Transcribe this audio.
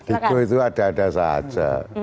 itu ada ada saja